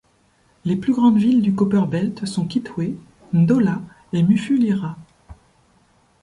Les plus grandes villes du Copperbelt sont Kitwe, Ndola et Mufulira.